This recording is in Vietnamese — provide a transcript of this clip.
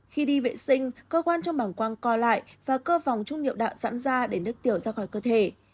khi đi vệ sinh cơ quan trong bằng quang co lại và cơ vòng trúc niệm đạo dãn ra để nước tiểu ra khỏi cơ thể